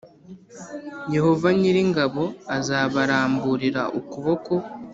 Yehova nyiri ingabo azabaramburira ukuboko